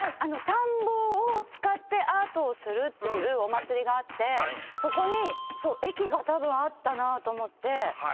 田んぼを使ってアートをするっていうお祭りがあってそこに駅がたぶんあったなと思って。